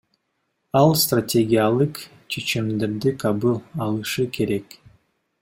Ал стратегиялык чечимдерди кабыл алышы керек.